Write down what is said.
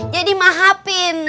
jadi maha pin